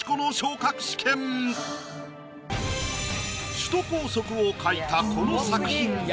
首都高速を描いたこの作品で。